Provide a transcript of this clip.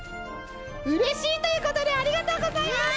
うれしいということでありがとうございます！